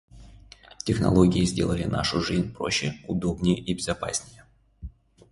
Технологии сделали нашу жизнь проще, удобнее и безопаснее.